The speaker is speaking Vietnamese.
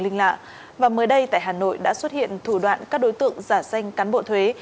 linh lạ và mới đây tại hà nội đã xuất hiện thủ đoạn các đối tượng giả danh cán bộ thuế